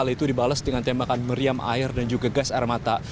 hal itu dibalas dengan tembakan meriam air dan juga gas air mata